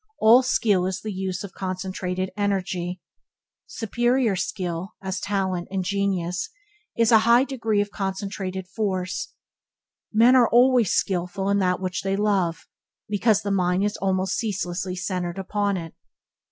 All skill is the use of concentrated energy. Superior skill, as talent and genius, is a higher degree of concentrated force. Men are always skillful in that which they love, because the mind is almost ceaselessly centered upon it.